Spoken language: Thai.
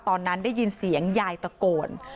ตอนนั้นได้ยินเสียงยายตะโกน